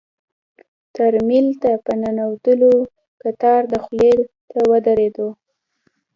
ترمینل ته په ننوتلو کتار دخولي ته ودرېدو.